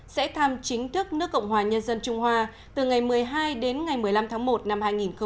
sẽ thăm chính thức nước cộng hòa nhân dân trung hoa từ ngày một mươi hai đến ngày một mươi năm tháng một năm hai nghìn hai mươi